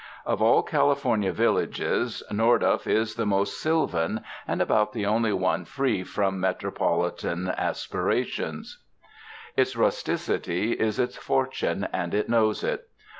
Of all California villages, Nordhoff is the most sylvan 165 UNDER THE SKY IN CALIFORNIA and about the only one free from metropolitan aspi rations. Its rusticity is its fortune and it knows it.